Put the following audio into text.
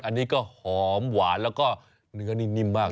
อันนี้ก็หอมหวานแล้วก็เนื้อนี่นิ่มมาก